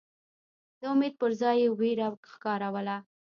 د امید پر ځای یې وېره ښکاروله.